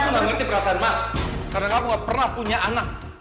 aku nggak ngerti perasaan mas karena aku gak pernah punya anak